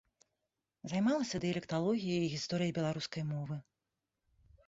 Займалася дыялекталогіяй і гісторыяй беларускай мовы.